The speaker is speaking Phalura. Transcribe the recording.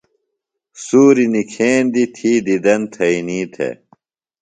سوریۡ نِکھیندیۡ تھی دیدن تھئینی تھےۡ۔